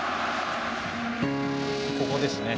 ここですね。